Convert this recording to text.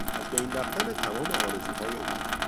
از بین رفتن تمام آرزوهای او